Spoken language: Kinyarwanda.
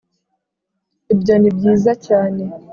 ibyo ni byiza cyane